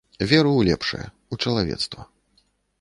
Веру ў лепшае, у чалавецтва.